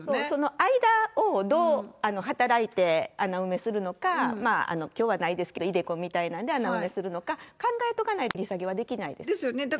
その間をどう働いて、穴埋めするのか、きょうはないですけど、ｉＤｅＣｏみたいなので穴埋めするのか、考えとかないと繰り下げはできないですよね。